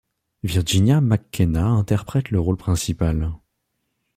Virginia McKenna interprète le rôle principal.